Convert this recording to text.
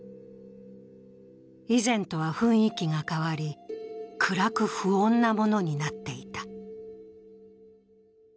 以前とは雰囲気が変わり、暗く不穏なものになっていた。